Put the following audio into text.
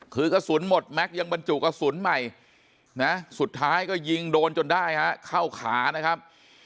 คือกระสุนหมดแม็กซยังบรรจุกระสุนใหม่นะสุดท้ายก็ยิงโดนจนได้ฮะเข้าขานะครับ